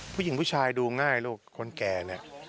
ผู้หญิงผู้ชายดูง่ายลูกคนแก่แน่ะ